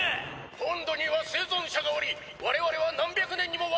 本土には生存者がおり我々は何百年にもわたって。